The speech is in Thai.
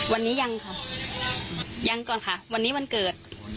วันนี้ยังค่ะยังก่อนค่ะวันนี้วันเกิด